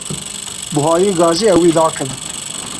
Buhayê gazê ew ê dakeve?